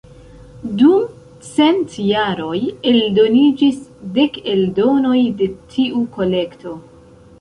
Dum cent jaroj eldoniĝis dek eldonoj de tiu kolekto.